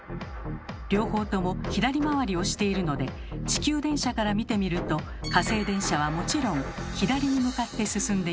両方とも左回りをしているので地球電車から見てみると火星電車はもちろん左に向かって進んでいます。